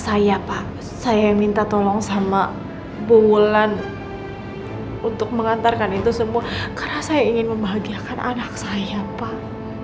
saya pak saya minta tolong sama bu wulan untuk mengantarkan itu semua karena saya ingin membahagiakan anak saya pak